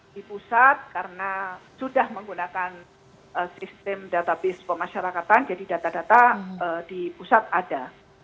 di pusat karena sudah menggunakan sistem database pemasyarakatan jadi data data di pusat ada